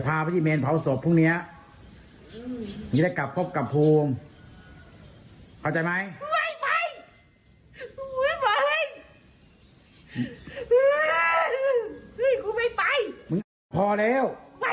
พอแล้ว